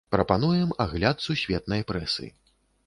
Прапануем агляд сусветнай прэсы.